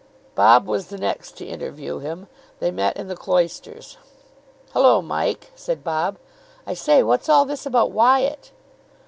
Bob was the next to interview him. They met in the cloisters. "Hullo, Mike!" said Bob. "I say, what's all this about Wyatt?"